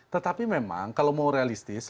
tetapi memang kalau mau realistis